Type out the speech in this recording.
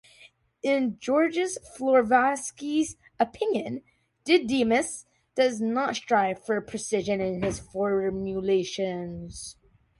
In Georges Florovsky's opinion, Didymus does not strive for precision in his formulations.